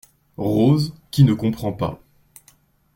Rose , qui ne comprend pas.